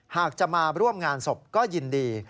หากจะมาร่วมงานศพก็ยินดี